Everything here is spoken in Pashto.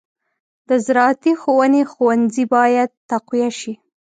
د زراعتي ښوونې ښوونځي باید تقویه شي.